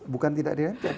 bukan tidak di rem cek